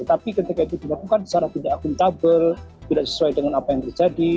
tapi ketika itu dilakukan secara tidak akuntabel tidak sesuai dengan apa yang terjadi